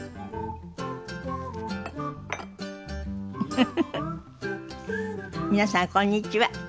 フフフフ皆さんこんにちは。